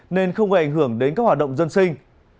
nên không gây ảnh hưởng đến các hoạt động dân sinh